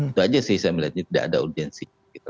itu aja sih saya melihatnya tidak ada urgensi